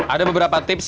ada beberapa tips